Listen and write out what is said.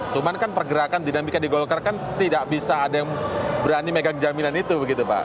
cuman kan pergerakan dinamika di golkar kan tidak bisa ada yang berani megang jaminan itu begitu pak